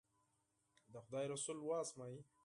د خدای رسول و ازمایي.